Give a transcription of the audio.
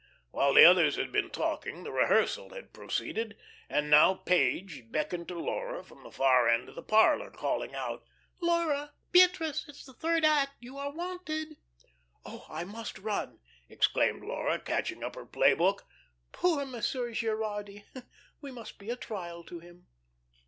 While the others had been talking the rehearsal had proceeded, and now Page beckoned to Laura from the far end of the parlor, calling out: "Laura 'Beatrice,' it's the third act. You are wanted." "Oh, I must run," exclaimed Laura, catching up her play book. "Poor Monsieur Gerardy we must be a trial to him."